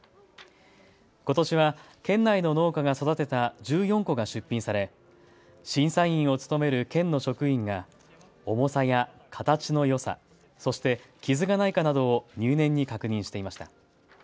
ことしは県内の農家が育てた１４個が出品され審査員を務める県の職員が重さや形のよさ、そして傷がないかなどを入念に確認していました。